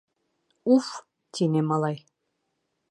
— Уф! — тине малай.